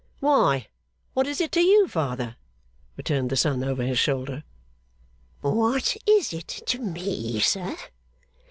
'Why, what is it to you, father?' returned the son, over his shoulder. 'What is it to me, sir?